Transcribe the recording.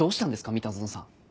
三田園さん。